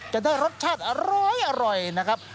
จะได้รสชาติอร้อยนะครับ